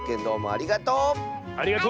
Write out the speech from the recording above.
ありがとう！